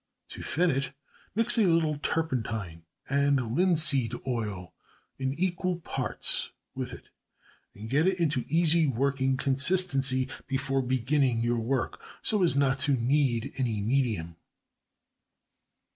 To thin it, mix a little turpentine and linseed oil in equal parts with it; and get it into easy working consistency before beginning your work, so as not to need any medium.